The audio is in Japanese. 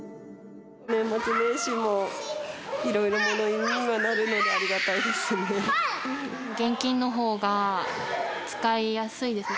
年末年始もいろいろ物入りにはなるので、ありがたいですね。